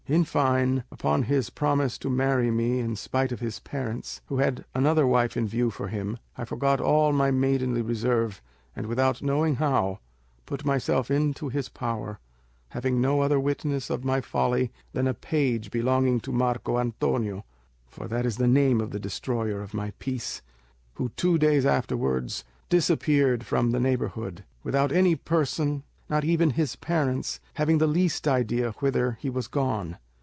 In fine, upon his promise to marry me in spite of his parents, who had another wife in view for him, I forgot all my maidenly reserve, and without knowing how, put myself into his power, having no other witness of my folly than a page belonging to Marco Antonio—for that is the name of the destroyer of my peace—who two days afterwards disappeared from the neighbourhood, without any person, not even his parents, having the least idea whither he was gone.